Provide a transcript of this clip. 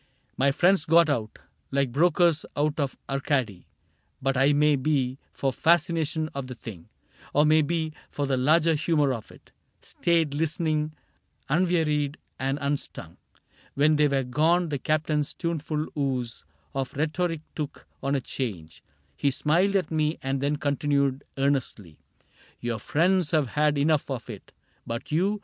My friends got out. Like brokers out of Arcady ; but I — May be for fascination of the thing. Or may be for the larger humor of it — Stayed listening, unwearied and unstung. When they were gone the Captain's tuneful ooze Of rhetoric took on a change ; he smiled At me and then continued, earnestly :" Your friends have had enough of it ; but you.